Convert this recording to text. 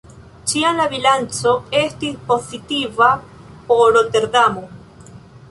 Ĉiam la bilanco estis pozitiva por Roterdamo.